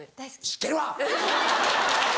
知ってるわ！